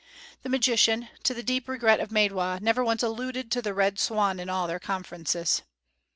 The magician, to the deep regret of Maidwa, never once alluded to the Red Swan in all their conferences.